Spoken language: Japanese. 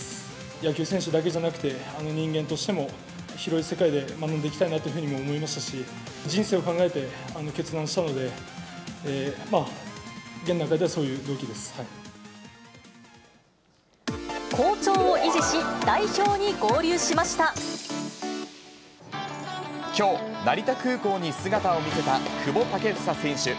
野球選手だけでなくて、人間としても広い世界で学んでいきたいなとも思いますし、人生を考えて決断したので、好調を維持し、代表に合流しきょう、成田空港に姿を見せた久保建英選手。